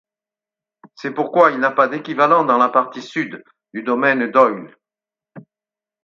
C'est pourquoi il n'a pas d'équivalent dans la partie sud du domaine d’oïl.